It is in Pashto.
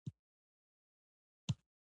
خو دا خبره چې دا د توکو طبیعي خصلت دی